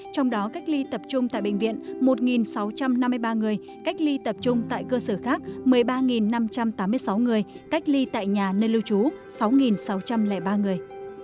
trong đó cách ly tập trung tại bệnh viện một sáu trăm năm mươi ba người cách ly tập trung tại cơ sở khác một mươi ba năm trăm tám mươi sáu người cách ly tại nhà nơi lưu trú sáu sáu trăm linh ba người